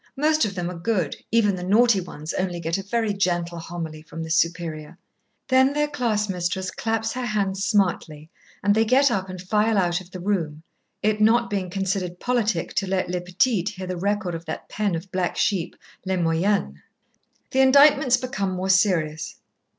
Most of them are good, even the naughty ones only get a very gentle homily from the Superior. Then their class mistress claps her hands smartly and they get up and file out of the room, it not being considered politic to let les petites hear the record of that pen of black sheep, les moyennes. The indictments become more serious.